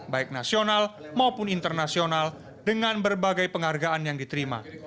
baik nasional maupun internasional dengan berbagai penghargaan yang diterima